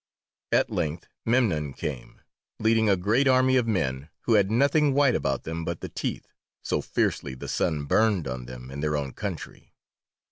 At length Memnon came, leading a great army of men who had nothing white about them but the teeth, so fiercely the sun burned on them in their own country.